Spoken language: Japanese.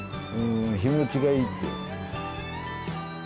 日持ちがいいって。